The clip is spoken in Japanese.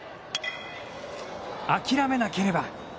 諦めなければ。